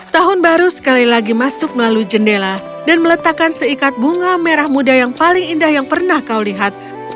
tahun baru sekali lagi masuk melalui jendela dan meletakkan seikat bunga merah muda yang paling indah yang pernah kau lihat